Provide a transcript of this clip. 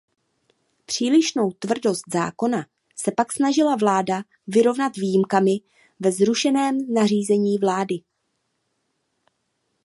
Přílišnou tvrdost zákona se pak snažila vláda vyrovnat výjimkami ve zrušeném nařízení vlády.